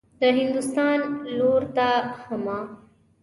د هندوستان لور ته حمه.